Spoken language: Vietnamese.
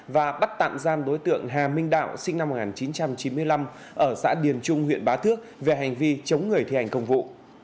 và bắt tạm giam đối tượng hà minh đạo sinh năm một nghìn chín trăm chín mươi năm ở xã điền trung huyện bá thước về hành vi chống người thi hành công vụ